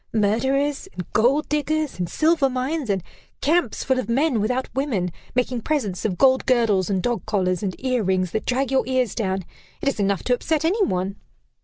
Murderers, and gold diggers, and silver mines, and camps full of men without women, making presents of gold girdles and dog collars, and ear rings that drag your ears down. It is enough to upset any one."